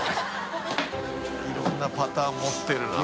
いろんなパターン持ってるな。